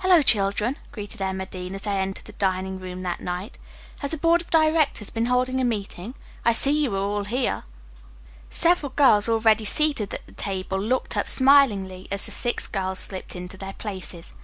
"Hello, children," greeted Emma Dean, as they entered the dining room that night. "Has the board of directors been holding a meeting? I see you are all here." Several girls already seated at the table looked up smilingly as the six girls slipped into their places.